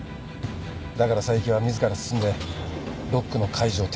だから佐伯は自ら進んでロックの解除を提案したんだ。